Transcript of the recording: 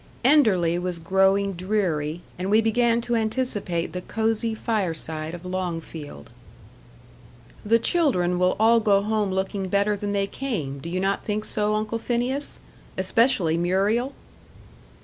Enderley was growing dreary, and we began to anticipate the cosy fireside of Longfield. "The children will all go home looking better than they came; do you not think so, Uncle Phineas? especially Muriel?"